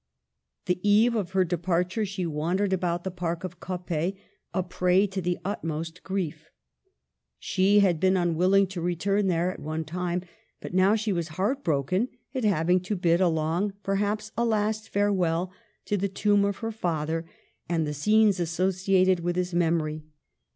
The eve of her departure she wandered about the park of Coppet a prey to the utmost grief. She had been unwilling to return there at one time, but now she was heart broken at having to bid a long, perhaps a last, farewell to the tomb of her father and the scenes associated with his memory.